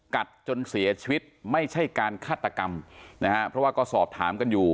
จนเสียชีวิตไม่ใช่การฆาตกรรมนะฮะเพราะว่าก็สอบถามกันอยู่